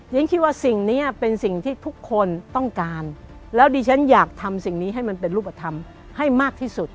ฉันคิดว่าสิ่งนี้เป็นสิ่งที่ทุกคนต้องการแล้วดิฉันอยากทำสิ่งนี้ให้มันเป็นรูปธรรมให้มากที่สุด